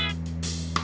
kamu sendiri gimana